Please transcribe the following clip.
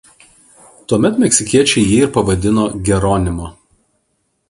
Tuomet meksikiečiai jį ir pavadino Geronimo.